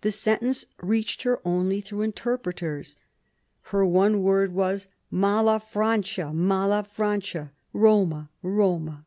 The sentence reached her only through interpreters. Her one word was, " Mala Francia, mala Francia : Eoma, Roma."